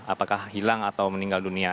apakah hilang atau meninggal dunia